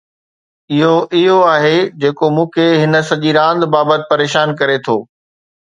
اھو اھو آھي جيڪو مون کي ھن سڄي راند بابت پريشان ڪري ٿو.